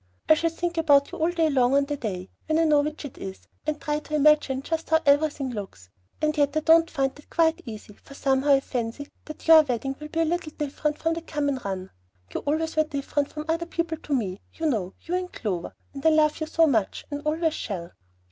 I shall think about you all day long on the day, when I know which it is, and try to imagine just how everything looks; and yet I don't find that quite easy, for somehow I fancy that your wedding will be a little different from the common run. You always were different from other people to me, you know, you and Clover, and I love you so much, and I always shall.